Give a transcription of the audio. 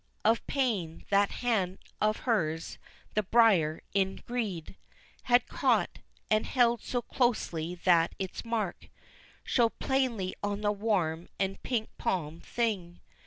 Of pain. That hand of hers the briar in greed Had caught, and held so closely that its mark Showed plainly on the warm and pink palmed thing.